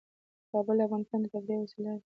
کابل د افغانانو د تفریح یوه وسیله ده.